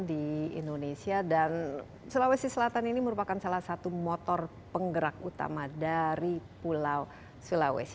di indonesia dan sulawesi selatan ini merupakan salah satu motor penggerak utama dari pulau sulawesi